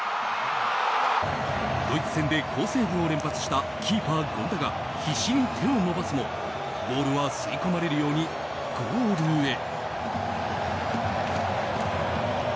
ドイツ戦で好セーブを連発したキーパー権田が必死に手を伸ばすも、ボールは吸い込まれるようにゴールへ。